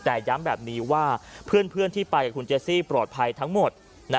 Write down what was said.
แต่ย้ำแบบนี้ว่าเพื่อนที่ไปกับคุณเจซี่ปลอดภัยทั้งหมด